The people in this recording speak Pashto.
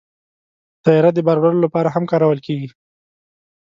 طیاره د بار وړلو لپاره هم کارول کېږي.